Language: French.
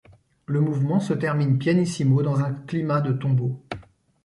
Le mouvement se termine pianissimo dans un climat de tombeau.